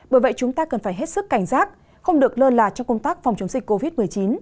bởi vậy chúng ta cần phải hết sức cảnh giác không được lơ là trong công tác phòng chống dịch covid một mươi chín